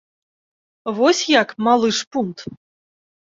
Вось як, малы шпунт!